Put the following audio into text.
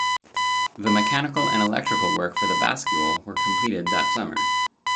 The mechanical and electrical work for the bascule were completed that summer.